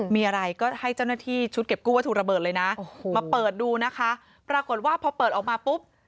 มีอะไรก็ให้เจ้าหน้าที่ชุดเก็บกู้วัตถุระเบิดเลยนะโอ้โหมาเปิดดูนะคะปรากฏว่าพอเปิดออกมาปุ๊บ